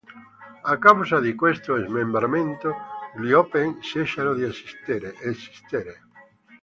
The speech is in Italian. A causa di questo smembramento gli Opeth cessano di esistere.